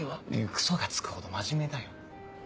クソが付くほど真面目だよ。